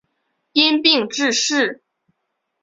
因病致仕。